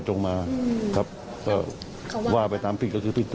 ตเจ็บไปก็เป็นของโทรมา